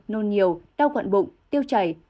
nôn nhiều đau khuẩn bụng tiêu chảy